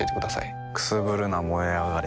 くすぶるな燃え上がれ